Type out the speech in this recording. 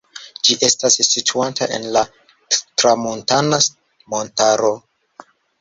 Ĝi estas situanta en la Tramuntana-montaro.